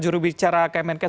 juru bicara kmnk